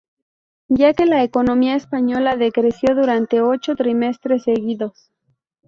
Ya que la economía española decreció durante ocho trimestres seguidos.